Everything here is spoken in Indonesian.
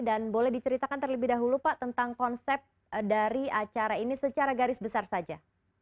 dan boleh diceritakan terlebih dahulu pak tentang konsep dari acara ini secara garis besar saja